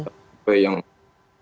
harusnya saya yang punya